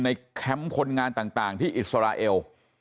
แคมป์คนงานต่างที่อิสราเอล